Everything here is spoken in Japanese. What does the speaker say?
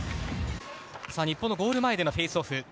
日本のゴール前でのフェースオフ。